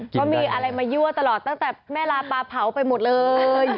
เพราะมีอะไรมายั่วตลอดตั้งแต่แม่ลาปลาเผาไปหมดเลย